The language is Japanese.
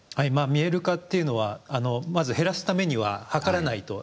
見える化っていうのはまず減らすためには計らないと。